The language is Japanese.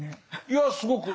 いやすごく。